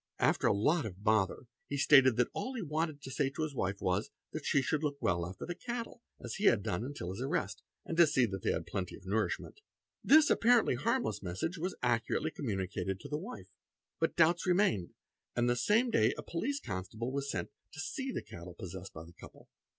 After a lot of bother, he stated that all he wanted to say to his wife was, that she should look well after the cattle, as he — had done until his arrest, and see that they had plenty nourishment. — This apparently harmless message was accurately communicated to the wife. But doubts remained and the same day a police constable was — sent to see the cattle possessed by the couple.